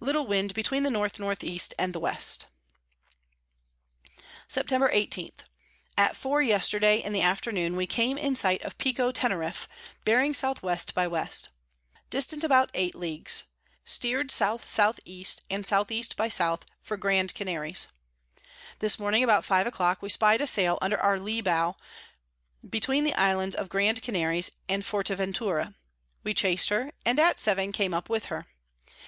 Little Wind between the N N E. and the West. Sept. 18. At four yesterday in the Afternoon we came in sight of Pico Teneriff, bearing S W by W. distant about eight Leagues; steer'd S S E. and S E by S. for Grand Canaries. This Morning about five a clock we spy'd a Sail under our Lee Bow, between the Islands of Grand Canaries and Forteventura; we chas'd her, and at 7 came up with her.